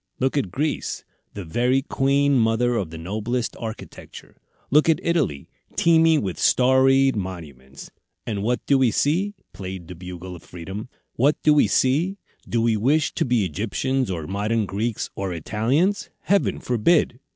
Look at Greece; the very queen mother of the noblest architecture! Look at Italy, teeming with 'storied monuments,' and what do we see?" played the Bugle of Freedom. "What do we see? Do we wish to be Egyptians, or modern Greeks, or Italians? Heaven forbid!"